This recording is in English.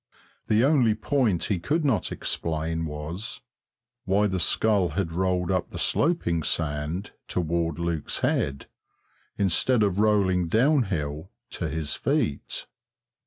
The only point he could not explain was why the skull had rolled up the sloping sand toward Luke's head instead of rolling downhill to his feet.